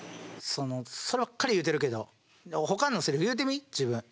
そのそればっかり言うてるけどほかのセリフ言うてみ自分。